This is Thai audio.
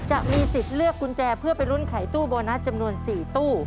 จะมีสิทธิ์เลือกกุญแจเพื่อไปลุ้นไขตู้โบนัสจำนวน๔ตู้